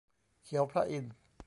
เขียวพระอินทร์